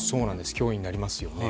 脅威になりますよね。